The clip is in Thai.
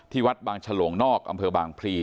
วัดบางฉลงนอกอำเภอบางพลี